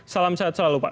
salam sehat selalu pak